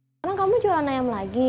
sekarang kamu jualan ayam lagi